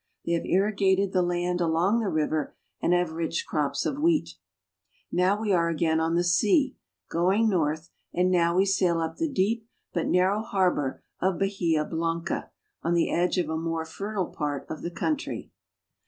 They have irrigated the land along the river and have rich crops of wheat. Now we are again on the sea, going north, and now we sail up the deep but narrow harbor of Bahia Blanca (ba he'a blan'ca), on the edge of a more fertile part of the country.